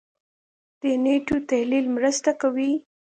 دې نېټو تحلیل مرسته کوي.